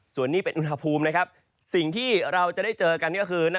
ส่วนนี้เป็นอุณหภูมิสิ่งที่เราจะได้เจอกันก็คือ